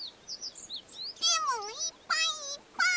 レモンいっぱいいっぱい！